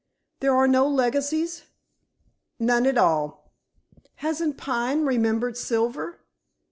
"There are no legacies." "None at all." "Hasn't Pine remembered Silver?"